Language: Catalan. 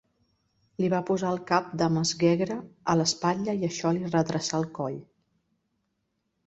Li va posar el cap de Mesgegra a l'espatlla i això li redreçà el coll.